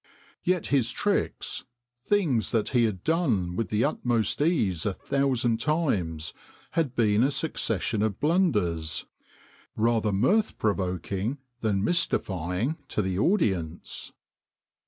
Yet his tricks, things that he had done with the utmost ease a thousand times, had been a succession of blunders, rather mirth provoking than mysti fying to the audience.